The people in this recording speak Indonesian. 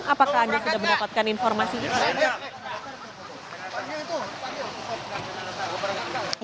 apakah anda sudah mendapatkan informasi juga